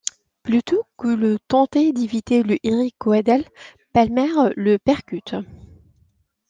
Plutôt que de tenter d'éviter le Eric Weddle, Palmer le percute.